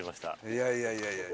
いやいやいやいや。